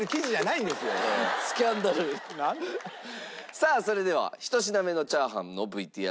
さあそれでは１品目のチャーハンのＶＴＲです。